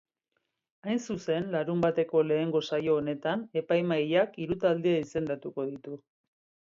Hain zuzen, larunbateko lehenengo saio honetan, epaimahaiak hiru talde izendatuko ditu.